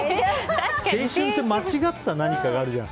青春って間違った何かがあるじゃん。